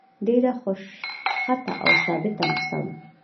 ډېره خوشخطه او ثابته نسخه وه.